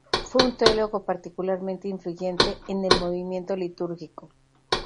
Fue un teólogo particularmente influyente en el Movimiento litúrgico.